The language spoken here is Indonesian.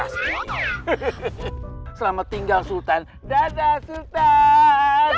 selamat tinggal sultan dada sultan